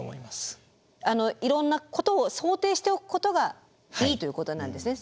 いろんなことを想定しておくことがいいということなんですね。